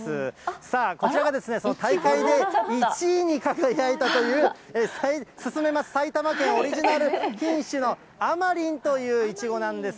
さあ、こちらがその大会で１位に輝いたという進めます、埼玉県オリジナル品種のあまりんといういちごなんです。